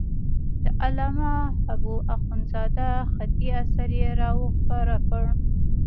د علامه حبو اخندزاده خطي اثر یې را وښکاره کړ.